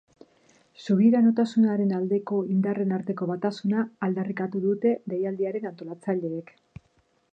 Subiranotasunaren aldeko indarren arteko batasuna aldarrikatu dute deialdiaren antolatzaileek.